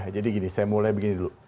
jadi gini saya mulai begini dulu